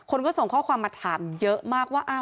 คนก็ส่งข้อความมาถามเยอะมากว่า